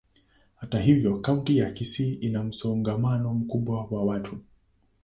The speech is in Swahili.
Hata hivyo, kaunti ya Kisii ina msongamano mkubwa sana wa watu.